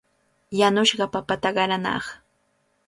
Yanushqa papata qaranaaq.